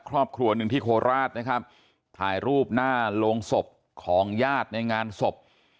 ครอบครัวหนึ่งที่โคราชนะครับถ่ายรูปหน้าโรงศพของญาติในงานศพ